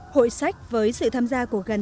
hội sách với sự tham gia của gần tám mươi đơn vị